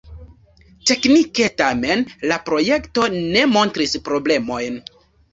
Teknike tamen la projekto ne montris problemojn.